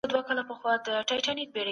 پیسې د سم فکر او عمل پایله ده.